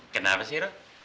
kenapa sih rok